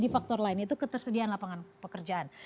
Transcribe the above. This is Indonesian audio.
di faktor lain itu ketersediaan lapangan pekerjaan